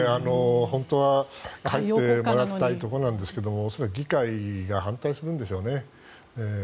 本当は、入ってもらいたいところなんですけどそれは議会が反対するんでしょうね。